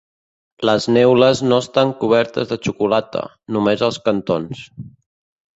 Les neules no estan cobertes de xocolata, només els cantons.